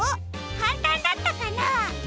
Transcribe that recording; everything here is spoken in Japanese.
かんたんだったかな？